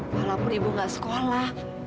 walaupun ibu gak sekolah